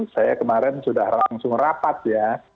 saya kemarin sudah langsung rapat ya